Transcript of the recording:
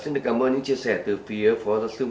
xin được cảm ơn những chia sẻ từ phía phó giáo sư